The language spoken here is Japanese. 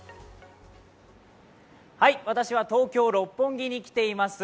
私は東京・六本木に来ています。